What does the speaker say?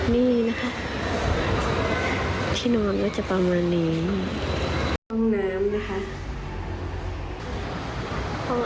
คือตั้งแต่เมื่อคืนแล้วข้าวมาส่งกี่รอบกี่รอบก็หมด